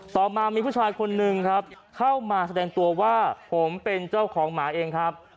ต่อมามีผู้ชายคนนึงครับเข้ามาแสดงตัวว่าผมเป็นเจ้าของหมาเองครับ